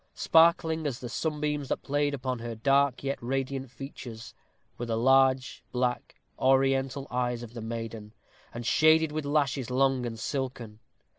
Sparkling, as the sunbeams that played upon her dark yet radiant features, were the large, black, Oriental eyes of the maiden, and shaded with lashes long and silken.